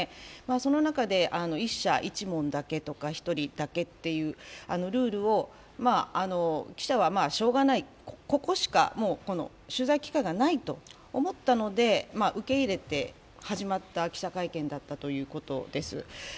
その中で１社１問だけとか、１人だけというルールを記者はしょうがない、ここしか取材機会がなかったと思ったので受け入れて始まった記者会見だったということです。